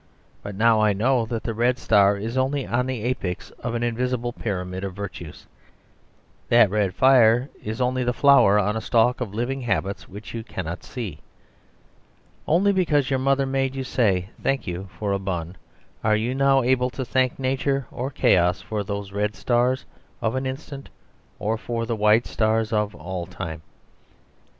But now I know that the red star is only on the apex of an invisible pyramid of virtues. That red fire is only the flower on a stalk of living habits, which you cannot see. Only because your mother made you say 'Thank you' for a bun are you now able to thank Nature or chaos for those red stars of an instant or for the white stars of all time.